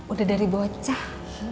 udah dari bocah